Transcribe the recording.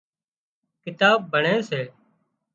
ڪتاب ڀڻي سي